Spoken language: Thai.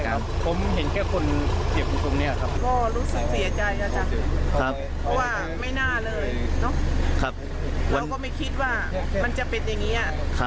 เราก็ไม่คิดว่ามันจะเป็นอย่างนี้อะ